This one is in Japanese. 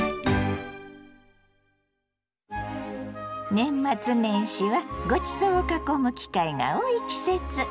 年末年始はごちそうを囲む機会が多い季節。